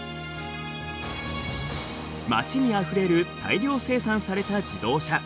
街にあふれる大量生産された自動車。